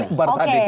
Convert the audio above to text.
ini kan repetitif ya